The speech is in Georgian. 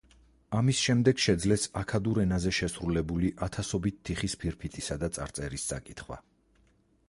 ამის შემდეგ შეძლეს აქადურ ენაზე შესრულებული ათასობით თიხის ფირფიტისა და წარწერის წაკითხვა.